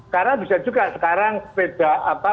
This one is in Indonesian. karena bisa juga sekarang sepeda mobil rp satu lima ratus